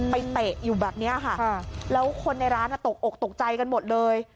เตะอยู่แบบนี้ค่ะแล้วคนในร้านตกอกตกใจกันหมดเลย